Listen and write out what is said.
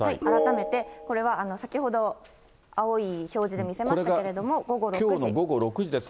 改めて、これは先ほど青い表示で見せましたけれども、これが午後６時。